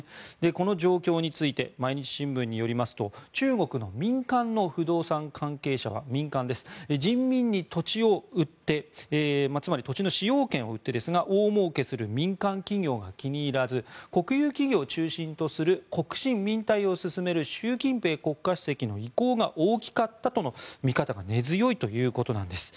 この状況について毎日新聞によりますと中国の民間の不動産関係者は人民に土地を売って、つまり土地の使用権を売ってですが大もうけする民間企業が気に入らず国有企業を中心とする国進民退を進める習近平国家主席の意向が大きかったとの見方が根強いということなんです。